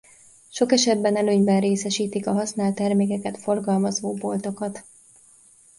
Sok esetben előnyben részesítik a használt termékeket forgalmazó boltokat.